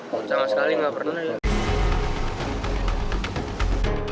juga sama sekali nggak pernah